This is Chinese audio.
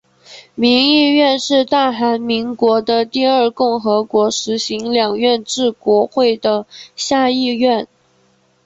民议院是大韩民国的第二共和国实行两院制国会的下议院。